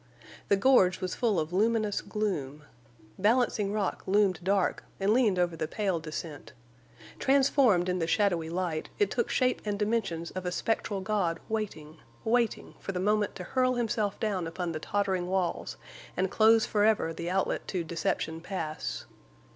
The gorge was full of luminous gloom. Balancing Rock loomed dark and leaned over the pale descent. Transformed in the shadowy light, it took shape and dimensions of a spectral god waiting—waiting for the moment to hurl himself down upon the tottering walls and close forever the outlet to Deception Pass.